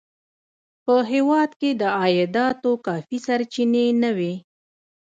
په هېواد کې د عایداتو کافي سرچینې نه وې.